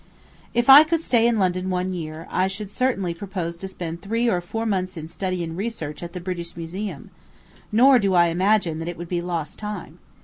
If I could stay in London one year, I should certainly propose to spend three or four months in study and research at the British Museum; nor do I imagine that it would be lost time.